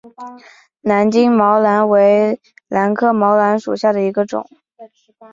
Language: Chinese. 高茎毛兰为兰科毛兰属下的一个种。